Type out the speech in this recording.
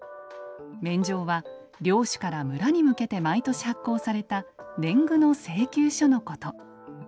免定は領主から村に向けて毎年発行された年貢の請求書のこと。